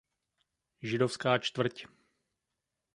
Židovská čtvrť.